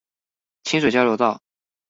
清水交流道